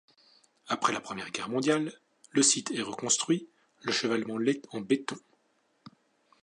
Après la Première Guerre mondiale, le site est reconstruit, le chevalement l'est en béton.